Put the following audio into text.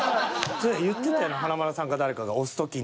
言ってたよな華丸さんか誰かが押す時に。